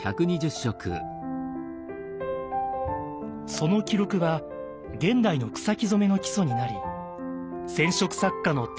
その記録は現代の草木染の基礎になり染色作家の手本となっています。